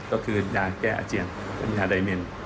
ก็คือยาแก้อเจียนเป็นยาไนมร